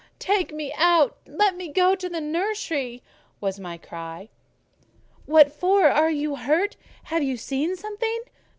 "Take me out! Let me go into the nursery!" was my cry. "What for? Are you hurt? Have you seen something?"